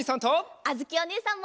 あづきおねえさんも。